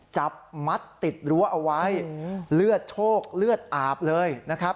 จับมัดติดรั้วเอาไว้เลือดโชคเลือดอาบเลยนะครับ